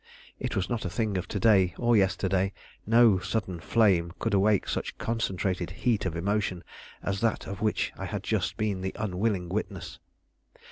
It was not a thing of to day or yesterday. No sudden flame could awake such concentrated heat of emotion as that of which I had just been the unwilling witness.